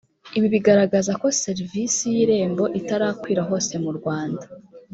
ibi bigaragaza ko serivisi y irembo itarakwira hose mu rwanda